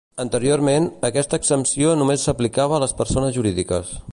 Anteriorment, aquesta exempció només s'aplicava a les persones jurídiques.